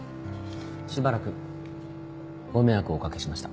しばらくご迷惑をおかけしました。